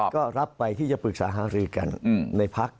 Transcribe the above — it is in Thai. ก็รับไปที่จะปรึกษาหารือกันในพัก